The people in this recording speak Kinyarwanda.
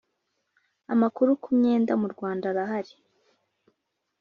amakuru ku myenda murwanda arahari